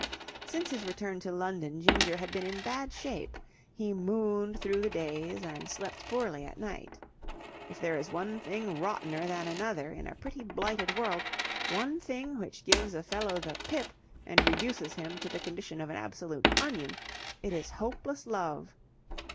Since his return to London Ginger had been in bad shape. He mooned through the days and slept poorly at night. If there is one thing rottener than another in a pretty blighted world, one thing which gives a fellow the pip and reduces him to the condition of an absolute onion, it is hopeless love.